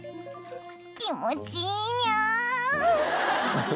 気持ちいいニャ！